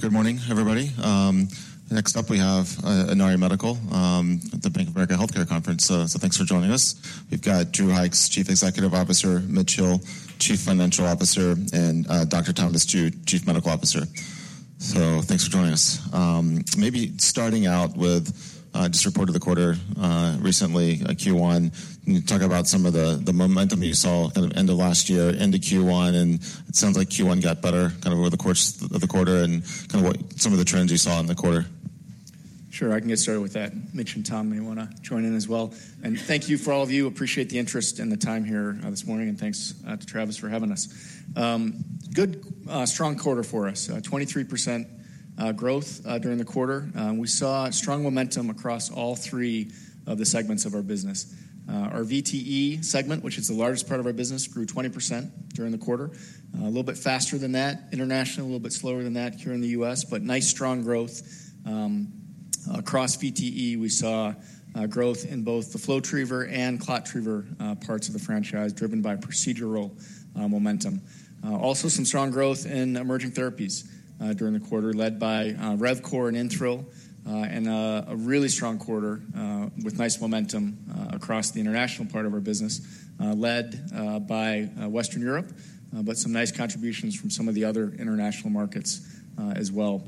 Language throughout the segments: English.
Good morning, everybody. Next up we have Inari Medical at the Bank of America Healthcare Conference, so thanks for joining us. We've got Drew Hykes, Chief Executive Officer, Mitch Hill, Chief Financial Officer, and Dr. Tom Tu, Chief Medical Officer. So thanks for joining us. Maybe starting out with just report of the quarter recently, Q1, talk about some of the momentum you saw kind of end of last year, end of Q1, and it sounds like Q1 got better kind of over the course of the quarter, and kind of what some of the trends you saw in the quarter. Sure. I can get started with that. Mitch and Tom may want to join in as well. And thank you for all of you. Appreciate the interest and the time here, this morning, and thanks, to Travis for having us. Good, strong quarter for us, 23% growth during the quarter. We saw strong momentum across all three of the segments of our business. Our VTE segment, which is the largest part of our business, grew 20% during the quarter, a little bit faster than that internationally, a little bit slower than that here in the US, but nice, strong growth. Across VTE we saw growth in both the FlowTriever and ClotTriever parts of the franchise, driven by procedural momentum. also some strong growth in emerging therapies during the quarter, led by RevCore and InThrill, and a really strong quarter with nice momentum across the international part of our business, led by Western Europe, but some nice contributions from some of the other international markets, as well.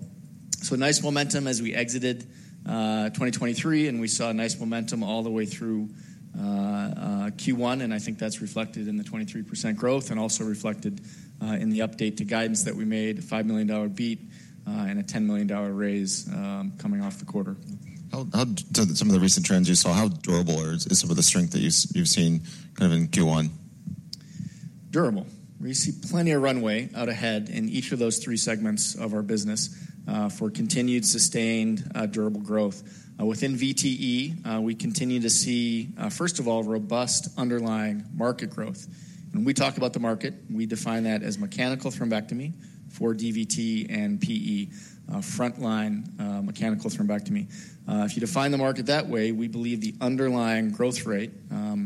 So nice momentum as we exited 2023, and we saw nice momentum all the way through Q1, and I think that's reflected in the 23% growth and also reflected in the update to guidance that we made, a $5 million beat, and a $10 million raise coming off the quarter. How do some of the recent trends you saw, how durable are some of the strength that you've seen kind of in Q1? Durable. We see plenty of runway out ahead in each of those three segments of our business, for continued, sustained, durable growth. Within VTE, we continue to see, first of all, robust underlying market growth. When we talk about the market, we define that as mechanical thrombectomy for DVT and PE, frontline, mechanical thrombectomy. If you define the market that way, we believe the underlying growth rate,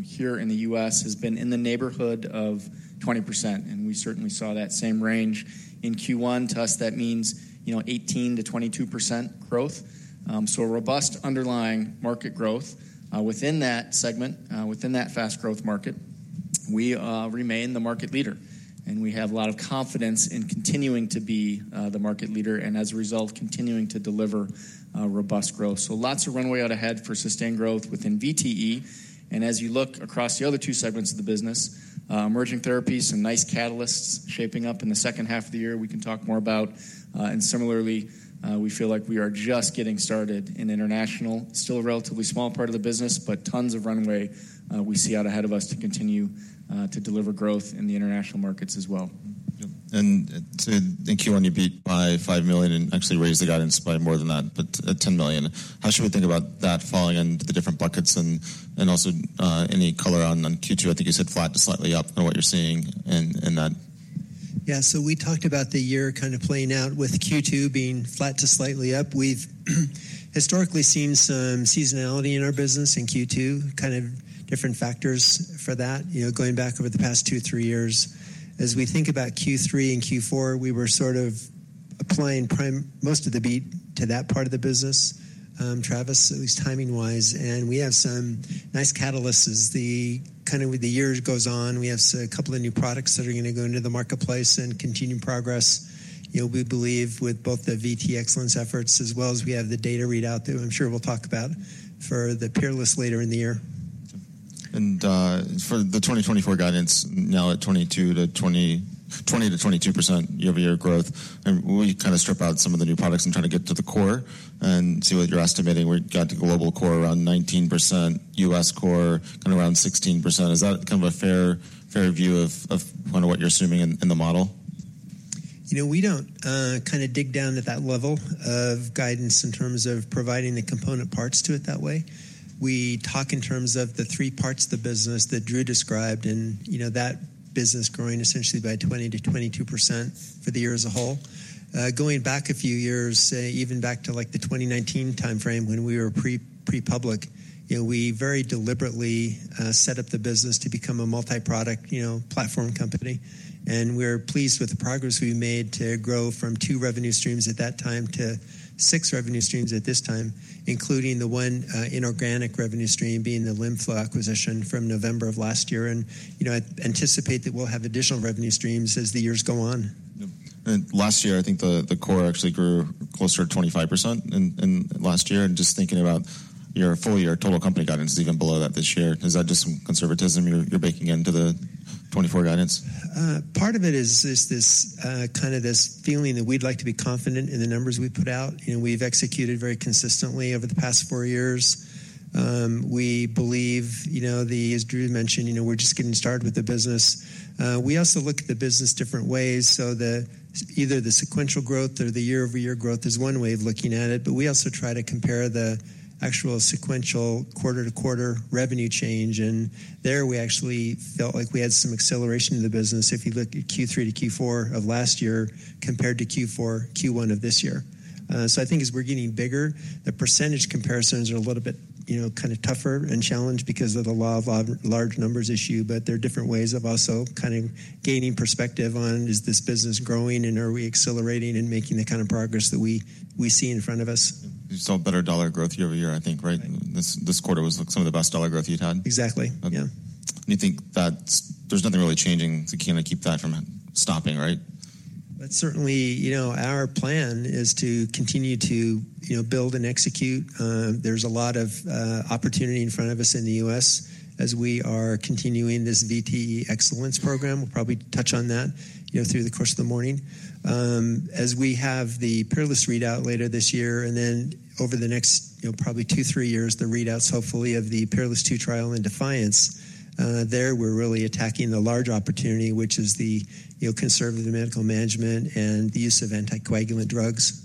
here in the U.S. has been in the neighborhood of 20%, and we certainly saw that same range in Q1 to us. That means, you know, 18%-22% growth. So robust underlying market growth, within that segment, within that fast-growth market, we, remain the market leader, and we have a lot of confidence in continuing to be, the market leader and, as a result, continuing to deliver, robust growth. So lots of runway out ahead for sustained growth within VTE. As you look across the other two segments of the business, emerging therapies, some nice catalysts shaping up in the second half of the year, we can talk more about, and similarly, we feel like we are just getting started in international, still a relatively small part of the business, but tons of runway we see out ahead of us to continue to deliver growth in the international markets as well. So in Q1 you beat by $5 million and actually raised the guidance by more than that, but $10 million. How should we think about that falling into the different buckets and also any color on Q2? I think you said flat to slightly up, kind of what you're seeing in that. Yeah. So we talked about the year kind of playing out with Q2 being flat to slightly up. We've historically seen some seasonality in our business in Q2, kind of different factors for that, you know, going back over the past two, three years. As we think about Q3 and Q4, we were sort of applying prime most of the beat to that part of the business, Travis, at least timing-wise, and we have some nice catalysts. The kind of the year goes on. We have a couple of new products that are going to go into the marketplace and continuing progress, you know, we believe, with both the VTE Excellence efforts as well as we have the data readout that I'm sure we'll talk about for the PEERLESS later in the year. For the 2024 guidance, now at 20%-22% year-over-year growth, and we kind of strip out some of the new products and try to get to the core and see what you're estimating. We got the global core around 19%, U.S. core kind of around 16%. Is that kind of a fair view of what you're assuming in the model? You know, we don't kind of dig down at that level of guidance in terms of providing the component parts to it that way. We talk in terms of the three parts of the business that Drew described and, you know, that business growing essentially by 20%-22% for the year as a whole. Going back a few years, even back to like the 2019 timeframe when we were pre-public, you know, we very deliberately set up the business to become a multi-product, you know, platform company, and we're pleased with the progress we made to grow from two revenue streams at that time to six revenue streams at this time, including the one inorganic revenue stream being the LimFlow acquisition from November of last year, and, you know, I anticipate that we'll have additional revenue streams as the years go on. Last year, I think the core actually grew closer to 25% in last year, and just thinking about your full-year total company guidance is even below that this year. Is that just some conservatism you're baking into the 2024 guidance? Part of it is this kind of feeling that we'd like to be confident in the numbers we put out, you know. We've executed very consistently over the past four years. We believe, you know, as Drew mentioned, you know, we're just getting started with the business. We also look at the business different ways, so either the sequential growth or the year-over-year growth is one way of looking at it, but we also try to compare the actual sequential quarter-to-quarter revenue change, and there we actually felt like we had some acceleration in the business if you look at Q3-Q4 of last year compared to Q4, Q1 of this year. I think as we're getting bigger, the percentage comparisons are a little bit, you know, kind of tougher and challenged because of the law of large numbers issue, but there are different ways of also kind of gaining perspective on is this business growing and are we accelerating and making the kind of progress that we, we see in front of us. You saw better dollar growth year-over-year, I think, right? This quarter was like some of the best dollar growth you'd had? Exactly. Yeah. You think that there's nothing really changing so you can't really keep that from stopping, right? But certainly, you know, our plan is to continue to, you know, build and execute. There's a lot of opportunity in front of us in the U.S. as we are continuing this VTE Excellence program. We'll probably touch on that, you know, through the course of the morning. As we have the PEERLESS readout later this year and then over the next, you know, probably two to three years, the readouts hopefully of the PEERLESS II trial and DEFIANCE, there we're really attacking the large opportunity, which is the, you know, conservative medical management and the use of anticoagulant drugs.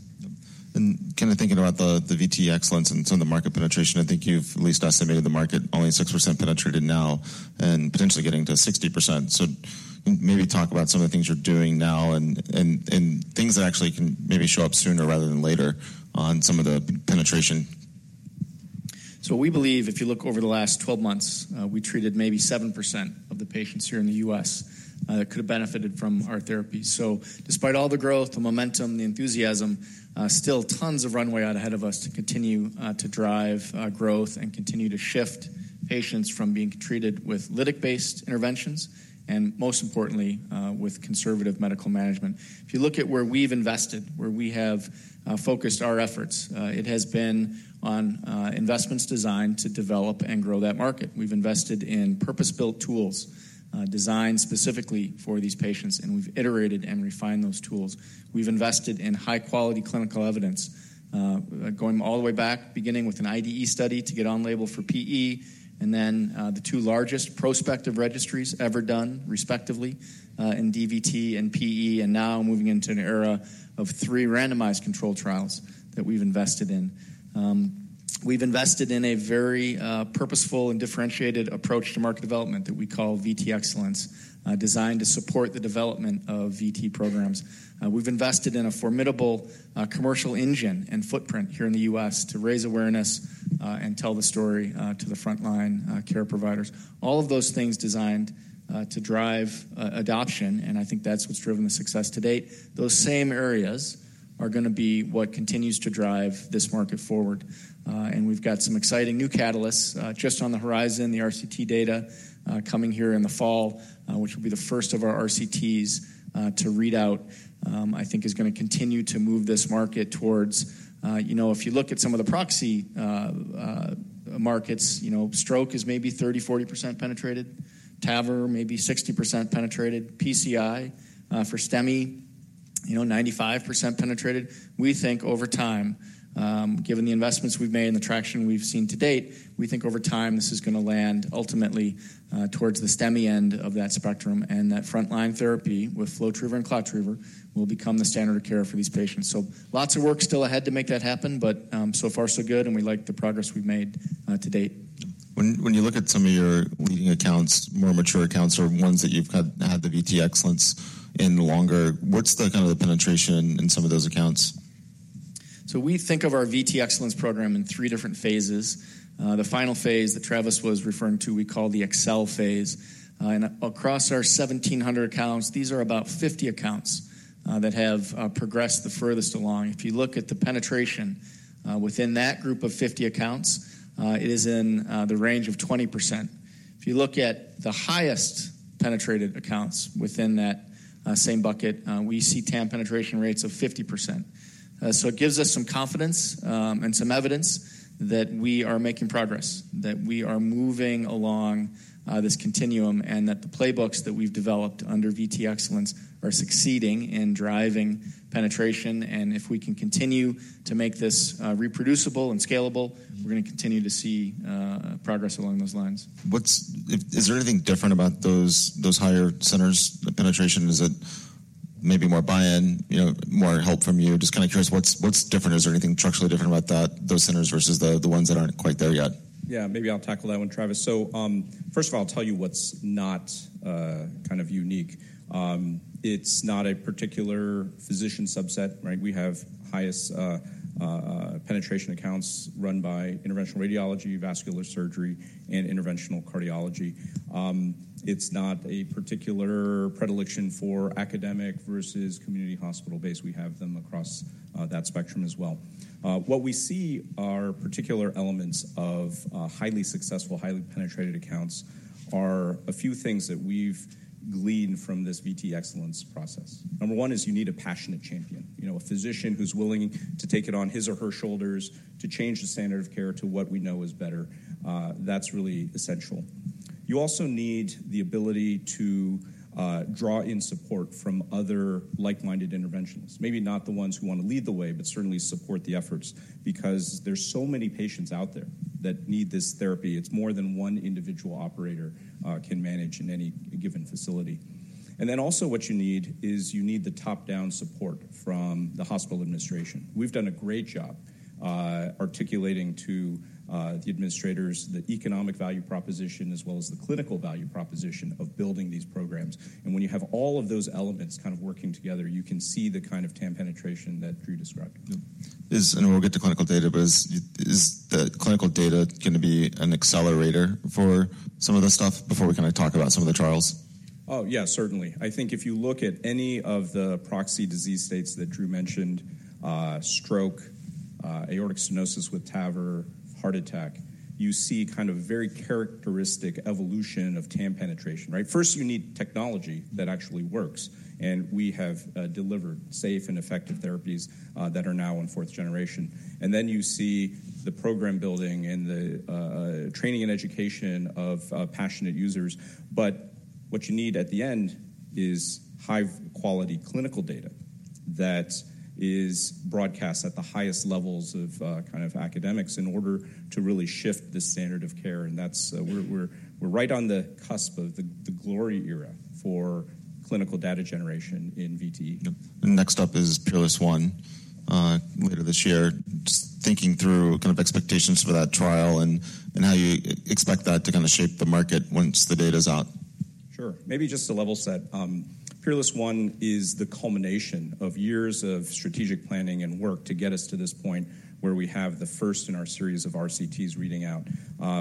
Kind of thinking about the VTE Excellence and some of the market penetration, I think you've at least estimated the market only 6% penetrated now and potentially getting to 60%. So maybe talk about some of the things you're doing now and things that actually can maybe show up sooner rather than later on some of the penetration. So we believe if you look over the last 12 months, we treated maybe 7% of the patients here in the U.S., that could have benefited from our therapy. So despite all the growth, the momentum, the enthusiasm, still tons of runway out ahead of us to continue, to drive, growth and continue to shift patients from being treated with lytic-based interventions and, most importantly, with conservative medical management. If you look at where we've invested, where we have, focused our efforts, it has been on, investments designed to develop and grow that market. We've invested in purpose-built tools, designed specifically for these patients, and we've iterated and refined those tools. We've invested in high-quality clinical evidence, going all the way back, beginning with an IDE study to get on-label for PE and then, the two largest prospective registries ever done, respectively, in DVT and PE, and now moving into an era of three randomized controlled trials that we've invested in. We've invested in a very purposeful and differentiated approach to market development that we call VTE Excellence, designed to support the development of VTE programs. We've invested in a formidable commercial engine and footprint here in the U.S. to raise awareness and tell the story to the frontline care providers. All of those things designed to drive adoption, and I think that's what's driven the success to date. Those same areas are going to be what continues to drive this market forward. We've got some exciting new catalysts, just on the horizon, the RCT data, coming here in the fall, which will be the first of our RCTs, to readout. I think is going to continue to move this market towards, you know, if you look at some of the proxy markets, you know, stroke is maybe 30%-40% penetrated, TAVR maybe 60% penetrated, PCI for STEMI, you know, 95% penetrated. We think over time, given the investments we've made and the traction we've seen to date, we think over time this is going to land ultimately, towards the STEMI end of that spectrum, and that frontline therapy with FlowTriever and ClotTriever will become the standard of care for these patients. So lots of work still ahead to make that happen, but, so far so good, and we like the progress we've made, to date. When you look at some of your leading accounts, more mature accounts, or ones that you've had the VTE Excellence in longer, what's the kind of penetration in some of those accounts? So we think of our VTE Excellence program in three different phases. The final phase that Travis was referring to, we call the Excel phase. And across our 1,700 accounts, these are about 50 accounts that have progressed the furthest along. If you look at the penetration within that group of 50 accounts, it is in the range of 20%. If you look at the highest penetrated accounts within that same bucket, we see TAM penetration rates of 50%. So it gives us some confidence and some evidence that we are making progress, that we are moving along this continuum, and that the playbooks that we've developed under VTE Excellence are succeeding in driving penetration. And if we can continue to make this reproducible and scalable, we're going to continue to see progress along those lines. What is there anything different about those higher centers, the penetration? Is it maybe more buy-in, you know, more help from you? Just kind of curious, what's different? Is there anything structurally different about those centers versus the ones that aren't quite there yet? Yeah. Maybe I'll tackle that one, Travis. So, first of all, I'll tell you what's not kind of unique. It's not a particular physician subset, right? We have highest penetration accounts run by interventional radiology, vascular surgery, and interventional cardiology. It's not a particular predilection for academic versus community hospital-based. We have them across that spectrum as well. What we see are particular elements of highly successful, highly penetrated accounts are a few things that we've gleaned from this VTE Excellence process. Number one is you need a passionate champion, you know, a physician who's willing to take it on his or her shoulders to change the standard of care to what we know is better. That's really essential. You also need the ability to draw in support from other like-minded interventionalists, maybe not the ones who want to lead the way, but certainly support the efforts because there's so many patients out there that need this therapy. It's more than one individual operator can manage in any given facility. Then also what you need is you need the top-down support from the hospital administration. We've done a great job articulating to the administrators the economic value proposition as well as the clinical value proposition of building these programs. When you have all of those elements kind of working together, you can see the kind of TAM penetration that Drew described. We'll get to clinical data, but is the clinical data going to be an accelerator for some of this stuff before we kind of talk about some of the trials? Oh, yeah, certainly. I think if you look at any of the proxy disease states that Drew mentioned, stroke, aortic stenosis with TAVR, heart attack, you see kind of a very characteristic evolution of TAM penetration, right? First, you need technology that actually works, and we have delivered safe and effective therapies that are now in fourth generation. And then you see the program building and the training and education of passionate users. But what you need at the end is high-quality clinical data that is broadcast at the highest levels of kind of academics in order to really shift the standard of care. And that's, we're right on the cusp of the glory era for clinical data generation in VTE. Next up is PEERLESS I, later this year, just thinking through kind of expectations for that trial and how you expect that to kind of shape the market once the data's out. Sure. Maybe just to level set, PEERLESS I is the culmination of years of strategic planning and work to get us to this point where we have the first in our series of RCTs reading out.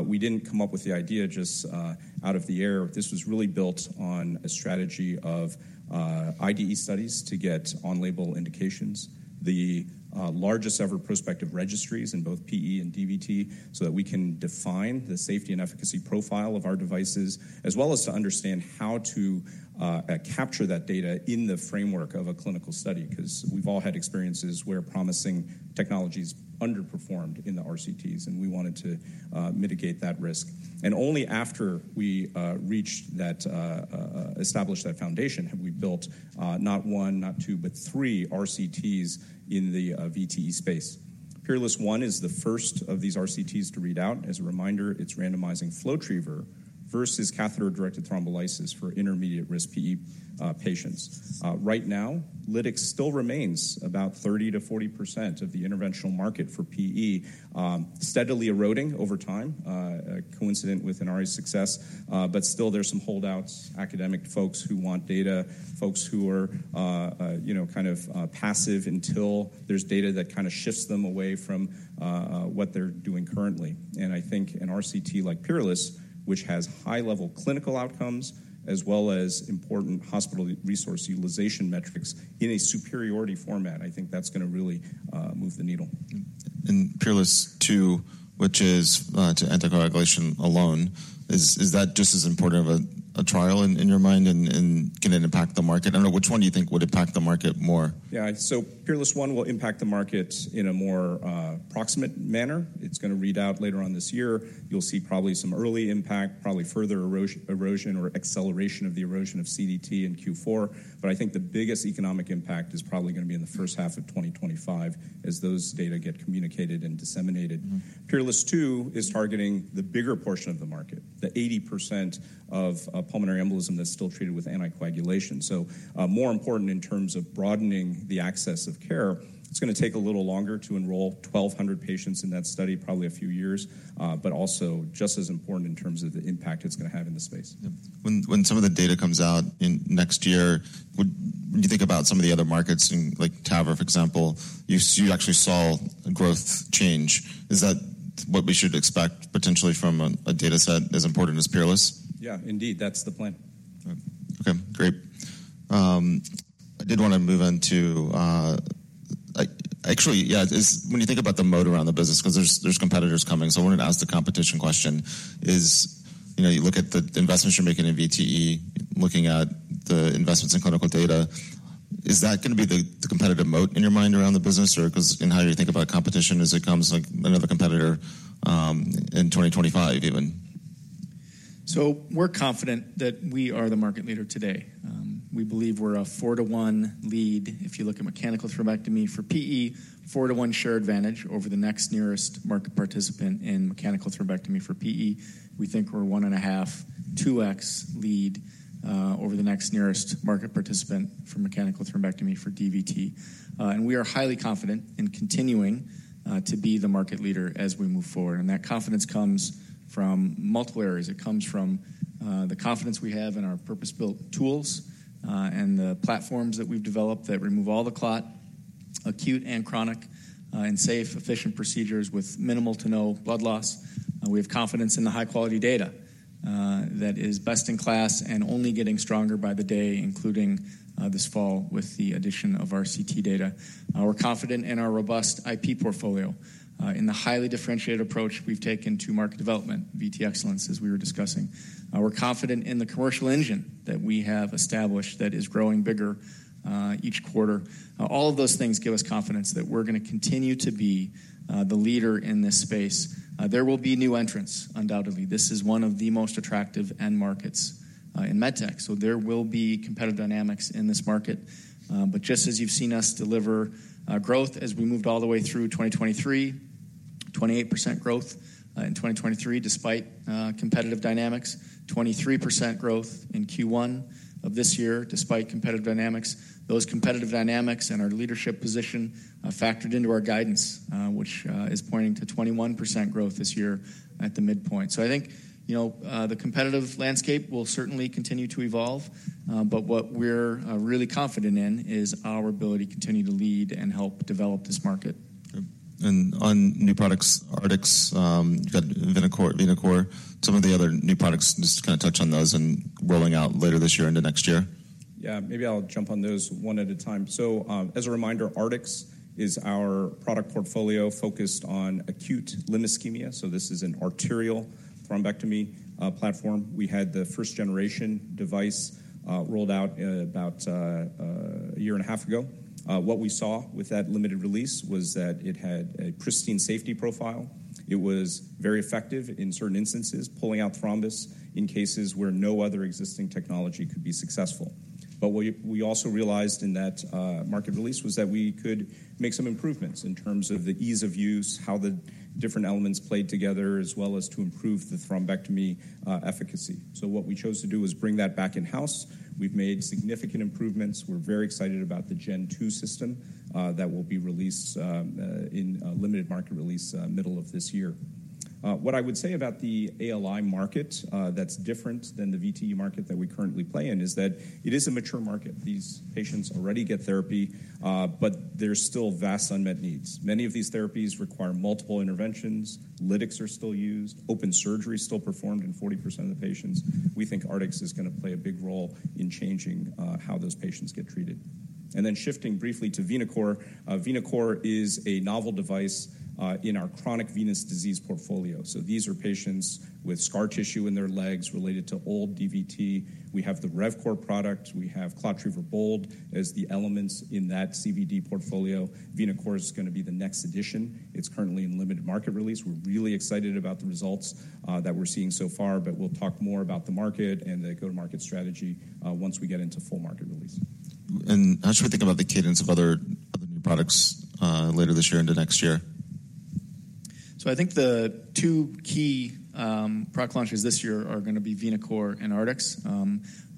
We didn't come up with the idea just out of the air. This was really built on a strategy of IDE studies to get on-label indications, the largest ever prospective registries in both PE and DVT, so that we can define the safety and efficacy profile of our devices as well as to understand how to capture that data in the framework of a clinical study because we've all had experiences where promising technologies underperformed in the RCTs, and we wanted to mitigate that risk. And only after we reached that, established that foundation have we built not one, not two, but three RCTs in the VTE space. PEERLESS I is the first of these RCTs to read out. As a reminder, it's randomizing FlowTriever versus catheter-directed thrombolysis for intermediate-risk PE patients. Right now, lytics still remains about 30%-40% of the interventional market for PE, steadily eroding over time, coincident with Inari's success, but still there's some holdouts, academic folks who want data, folks who are, you know, kind of, passive until there's data that kind of shifts them away from, what they're doing currently. And I think an RCT like PEERLESS, which has high-level clinical outcomes as well as important hospital resource utilization metrics in a superiority format, I think that's going to really, move the needle. PEERLESS Two, which is to anticoagulation alone, is that just as important of a trial in your mind, and can it impact the market? I don't know. Which one do you think would impact the market more? Yeah. So PEERLESS One will impact the market in a more proximate manner. It's going to read out later on this year. You'll see probably some early impact, probably further erosion or acceleration of the erosion of CDT in Q4, but I think the biggest economic impact is probably going to be in the first half of 2025 as those data get communicated and disseminated. PEERLESS II is targeting the bigger portion of the market, the 80% of pulmonary embolism that's still treated with anticoagulation. So, more important in terms of broadening the access of care. It's going to take a little longer to enroll 1,200 patients in that study, probably a few years, but also just as important in terms of the impact it's going to have in the space. When some of the data comes out in next year, would you think about some of the other markets in, like, TAVR, for example? You actually saw a growth change. Is that what we should expect potentially from a data set as important as PEERLESS? Yeah, indeed. That's the plan. Okay. Great. I did want to move into, actually, yeah, is when you think about the moat around the business because there's competitors coming, so I wanted to ask the competition question. Is, you know, you look at the investments you're making in VTE, looking at the investments in clinical data, is that going to be the competitive moat in your mind around the business, or because in how you think about competition as it comes, like, another competitor, in 2025 even? So we're confident that we are the market leader today. We believe we're a 4-to-1 lead, if you look at mechanical thrombectomy for PE, 4-to-1 share advantage over the next nearest market participant in mechanical thrombectomy for PE. We think we're 1.5-2x lead, over the next nearest market participant for mechanical thrombectomy for DVT. And we are highly confident in continuing to be the market leader as we move forward. And that confidence comes from multiple areas. It comes from the confidence we have in our purpose-built tools, and the platforms that we've developed that remove all the clot, acute and chronic, and safe, efficient procedures with minimal to no blood loss. We have confidence in the high-quality data, that is best in class and only getting stronger by the day, including this fall with the addition of RCT data. We're confident in our robust IP portfolio, in the highly differentiated approach we've taken to market development, VTE Excellence, as we were discussing. We're confident in the commercial engine that we have established that is growing bigger each quarter. All of those things give us confidence that we're going to continue to be the leader in this space. There will be new entrants, undoubtedly. This is one of the most attractive end markets in MedTech, so there will be competitive dynamics in this market. But just as you've seen us deliver growth as we moved all the way through 2023, 28% growth in 2023 despite competitive dynamics, 23% growth in Q1 of this year despite competitive dynamics. Those competitive dynamics and our leadership position factored into our guidance, which is pointing to 21% growth this year at the midpoint. So I think, you know, the competitive landscape will certainly continue to evolve, but what we're really confident in is our ability to continue to lead and help develop this market. On new products, Artix, you've got VenaCore, VenaCore. Some of the other new products, just kind of touch on those and rolling out later this year into next year. Yeah. Maybe I'll jump on those one at a time. So, as a reminder, Artix is our product portfolio focused on acute limb ischemia, so this is an arterial thrombectomy platform. We had the first-generation device rolled out about a year and a half ago. What we saw with that limited release was that it had a pristine safety profile. It was very effective in certain instances, pulling out thrombus in cases where no other existing technology could be successful. But what we also realized in that market release was that we could make some improvements in terms of the ease of use, how the different elements played together, as well as to improve the thrombectomy efficacy. So what we chose to do was bring that back in-house. We've made significant improvements. We're very excited about the Gen 2 system that will be released in limited market release middle of this year. What I would say about the ALI market, that's different than the VTE market that we currently play in, is that it is a mature market. These patients already get therapy, but there's still vast unmet needs. Many of these therapies require multiple interventions. Lytics are still used. Open surgery's still performed in 40% of the patients. We think Artix is going to play a big role in changing how those patients get treated. And then shifting briefly to VenaCore, VenaCore is a novel device in our chronic venous disease portfolio. So these are patients with scar tissue in their legs related to old DVT. We have the RevCore product. We have ClotTriever BOLD as the elements in that CVD portfolio. VenaCore is going to be the next edition. It's currently in limited market release. We're really excited about the results that we're seeing so far, but we'll talk more about the market and the go-to-market strategy once we get into full market release. How should we think about the cadence of other, other new products, later this year into next year? So I think the two key product launches this year are going to be VenaCore and Artix.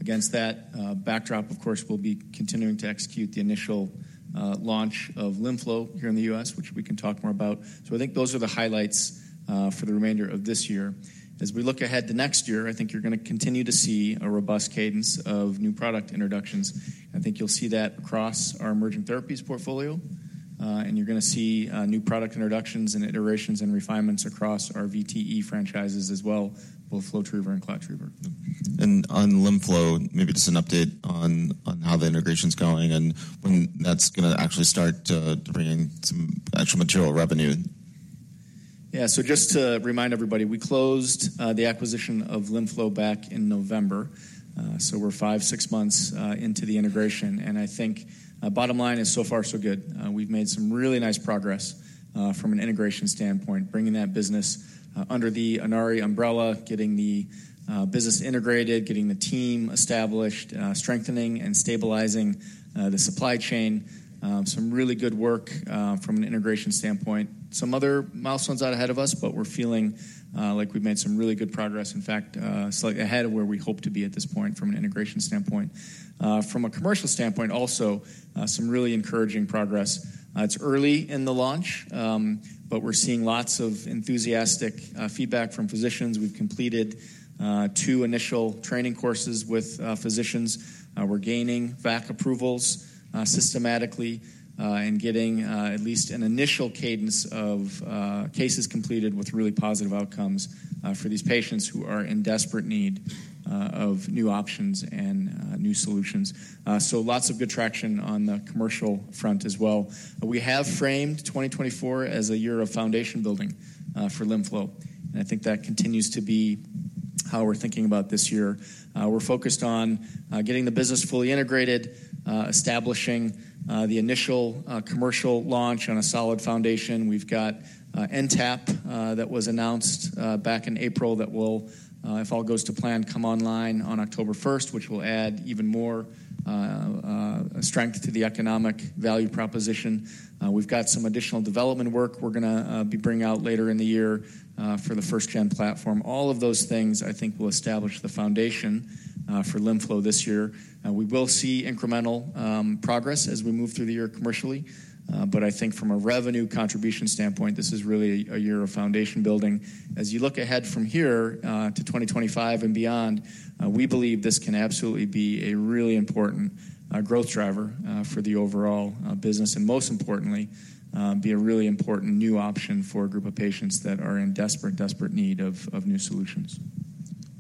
Against that backdrop, of course, we'll be continuing to execute the initial launch of LimFlow here in the US, which we can talk more about. So I think those are the highlights for the remainder of this year. As we look ahead to next year, I think you're going to continue to see a robust cadence of new product introductions. I think you'll see that across our emerging therapies portfolio, and you're going to see new product introductions and iterations and refinements across our VTE franchises as well, both FlowTriever and ClotTriever. On LimFlow, maybe just an update on how the integration's going and when that's going to actually start to bring in some actual material revenue. Yeah. So just to remind everybody, we closed the acquisition of LimFlow back in November, so we're five, six months into the integration. And I think, bottom line is so far, so good. We've made some really nice progress, from an integration standpoint, bringing that business under the Inari umbrella, getting the business integrated, getting the team established, strengthening and stabilizing the supply chain. Some really good work, from an integration standpoint. Some other milestones out ahead of us, but we're feeling like we've made some really good progress, in fact, slightly ahead of where we hope to be at this point from an integration standpoint. From a commercial standpoint also, some really encouraging progress. It's early in the launch, but we're seeing lots of enthusiastic feedback from physicians. We've completed two initial training courses with physicians. We're gaining VAC approvals systematically and getting at least an initial cadence of cases completed with really positive outcomes for these patients who are in desperate need of new options and new solutions. So lots of good traction on the commercial front as well. We have framed 2024 as a year of foundation building for LimFlow, and I think that continues to be how we're thinking about this year. We're focused on getting the business fully integrated, establishing the initial commercial launch on a solid foundation. We've got NTAP that was announced back in April that will, if all goes to plan, come online on October 1st, which will add even more strength to the economic value proposition. We've got some additional development work we're going to be bringing out later in the year for the first-gen platform. All of those things, I think, will establish the foundation for LimFlow this year. We will see incremental progress as we move through the year commercially, but I think from a revenue contribution standpoint, this is really a year of foundation building. As you look ahead from here to 2025 and beyond, we believe this can absolutely be a really important growth driver for the overall business and most importantly, be a really important new option for a group of patients that are in desperate, desperate need of new solutions.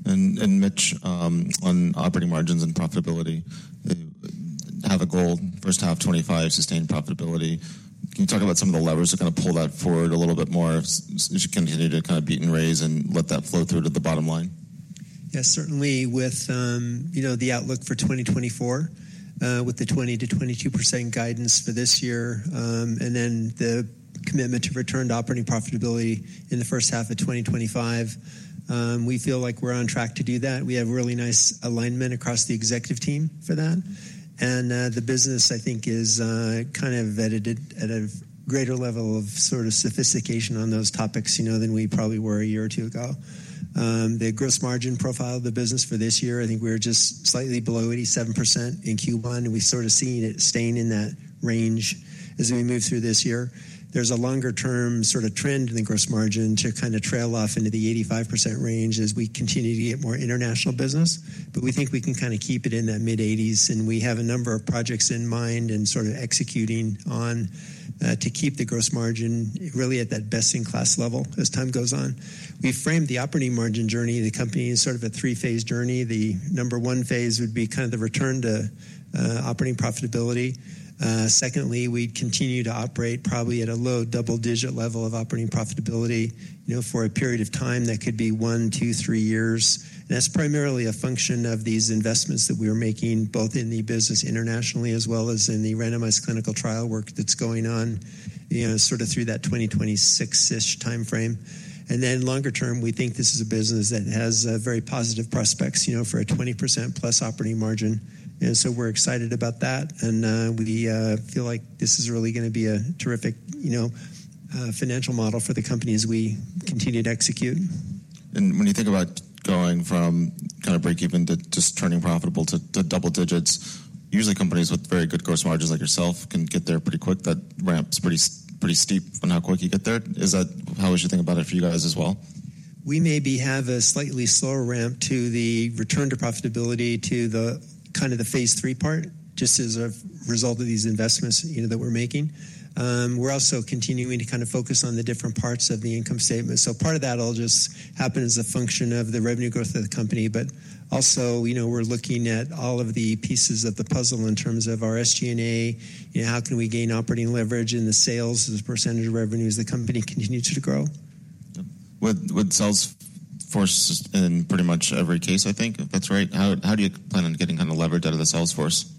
And, Mitch, on operating margins and profitability, they have a goal, first half 2025, sustained profitability. Can you talk about some of the levers that are going to pull that forward a little bit more as you continue to kind of beat and raise and let that flow through to the bottom line? Yes. Certainly with, you know, the outlook for 2024, with the 20%-22% guidance for this year, and then the commitment to returned operating profitability in the first half of 2025, we feel like we're on track to do that. We have really nice alignment across the executive team for that. And, the business, I think, is, kind of vetted at a greater level of sort of sophistication on those topics, you know, than we probably were a year or two ago. The gross margin profile of the business for this year, I think we were just slightly below 87% in Q1, and we've sort of seen it staying in that range as we move through this year. There's a longer-term sort of trend in the gross margin to kind of trail off into the 85% range as we continue to get more international business, but we think we can kind of keep it in that mid-80s. We have a number of projects in mind and sort of executing on, to keep the gross margin really at that best-in-class level as time goes on. We've framed the operating margin journey of the company as sort of a three-phase journey. The number one phase would be kind of the return to operating profitability. Secondly, we'd continue to operate probably at a low double-digit level of operating profitability, you know, for a period of time that could be one, two, three years. That's primarily a function of these investments that we're making both in the business internationally as well as in the randomized clinical trial work that's going on, you know, sort of through that 2026-ish timeframe. Then longer term, we think this is a business that has very positive prospects, you know, for a 20%+ operating margin. So we're excited about that, and we feel like this is really going to be a terrific, you know, financial model for the company as we continue to execute. When you think about going from kind of breakeven to just turning profitable to, to double digits, usually companies with very good gross margins like yourself can get there pretty quick. That ramp's pretty, pretty steep on how quick you get there. Is that how would you think about it for you guys as well? We maybe have a slightly slower ramp to the return to profitability to the kind of the phase three part just as a result of these investments, you know, that we're making. We're also continuing to kind of focus on the different parts of the income statement. So part of that'll just happen as a function of the revenue growth of the company, but also, you know, we're looking at all of the pieces of the puzzle in terms of our SG&A, you know, how can we gain operating leverage in the sales as a percentage of revenue as the company continues to grow. With sales force in pretty much every case, I think, if that's right. How do you plan on getting kind of leverage out of the sales force?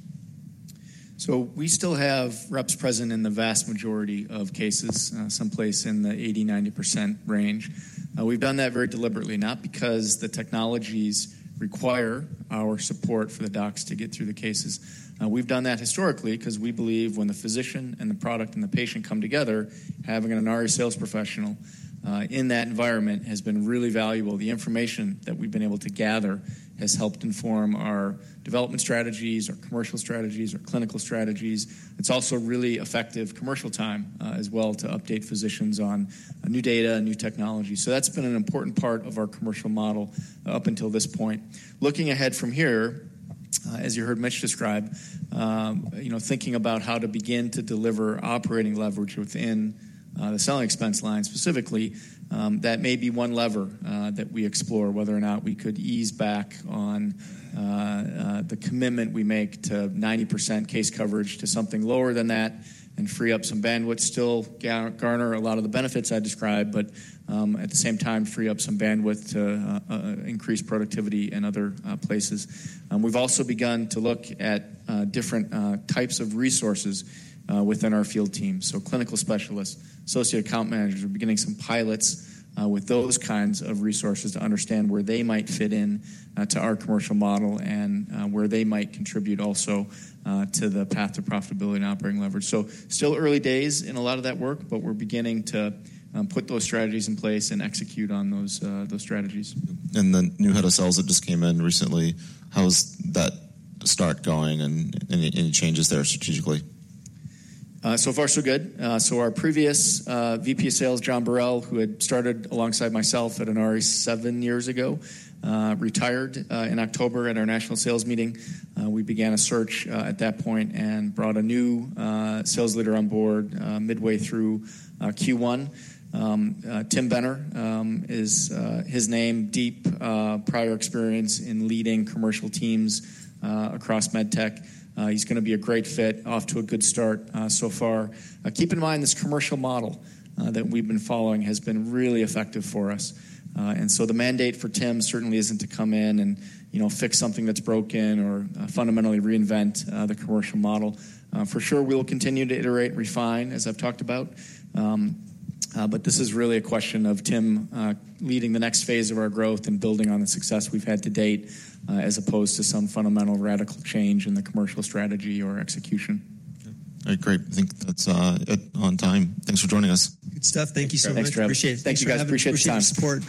So we still have reps present in the vast majority of cases, someplace in the 80%-90% range. We've done that very deliberately, not because the technologies require our support for the docs to get through the cases. We've done that historically because we believe when the physician and the product and the patient come together, having an Inari sales professional, in that environment has been really valuable. The information that we've been able to gather has helped inform our development strategies, our commercial strategies, our clinical strategies. It's also really effective commercial time, as well to update physicians on, new data, new technology. So that's been an important part of our commercial model, up until this point. Looking ahead from here, as you heard Mitch describe, you know, thinking about how to begin to deliver operating leverage within the selling expense line specifically, that may be one lever that we explore, whether or not we could ease back on the commitment we make to 90% case coverage to something lower than that and free up some bandwidth, still garner a lot of the benefits I described, but at the same time, free up some bandwidth to increase productivity in other places. We've also begun to look at different types of resources within our field team. So clinical specialists, associate account managers, we're beginning some pilots with those kinds of resources to understand where they might fit in to our commercial model and where they might contribute also to the path to profitability and operating leverage. Still early days in a lot of that work, but we're beginning to put those strategies in place and execute on those, those strategies. The new head of sales that just came in recently, how's that start going and any, any changes there strategically? So far, so good. Our previous VP of Sales, John Borrell, who had started alongside myself at Inari seven years ago, retired in October at our national sales meeting. We began a search at that point and brought a new sales leader on board midway through Q1. Tim Benner is his name, deep prior experience in leading commercial teams across MedTech. He's going to be a great fit, off to a good start so far. Keep in mind this commercial model that we've been following has been really effective for us. So the mandate for Tim certainly isn't to come in and, you know, fix something that's broken or fundamentally reinvent the commercial model. For sure, we will continue to iterate and refine, as I've talked about, but this is really a question of Tim leading the next phase of our growth and building on the success we've had to date, as opposed to some fundamental radical change in the commercial strategy or execution. All right. Great. I think that's it on time. Thanks for joining us. Good stuff. Thank you so much. Thanks, Drew. Appreciate it. Thanks, you guys. Appreciate the time. Great support.